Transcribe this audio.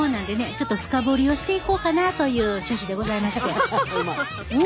ちょっと深掘りをしていこうかなという趣旨でございまして。